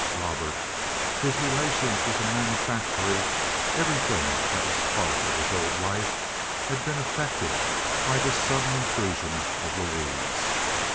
Robert, his relations with the manufactory, everything that was a part of his old life, had been affected by this sudden intrusion of Louise.